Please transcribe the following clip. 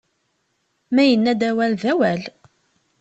Ma yenna-d awal, d awal!